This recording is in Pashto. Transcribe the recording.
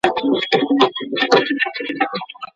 ولي محنتي ځوان د وړ کس په پرتله ښه ځلېږي؟